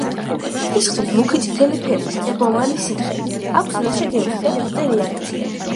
სისხლი მუქი წითელი ფერის, წებოვანი სითხეა, აქვს მლაშე გემო და ტუტე რეაქცია.